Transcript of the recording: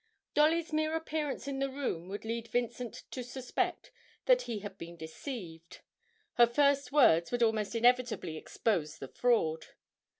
Dolly's mere appearance in the room would lead Vincent to suspect that he had been deceived; her first words would almost inevitably expose the fraud.